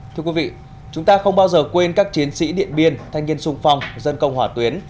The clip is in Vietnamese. thưa quý vị chúng ta không bao giờ quên các chiến sĩ điện biên thanh niên sung phong dân công hỏa tuyến